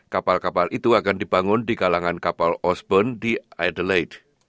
kapal kapal itu akan dibangun di kalangan kapal osbon di idolate